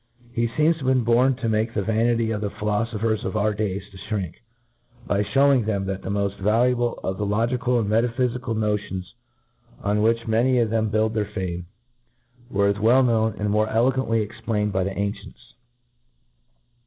He feems to have been born to jnake the vanity of the philofophers of our days to flirink, by flicwirig them, that the moft Valuable of the lo gical aild metaphyfical notions, on which many of them build their fame, were as well known, iarid iriorc elegantly explained by the ancients.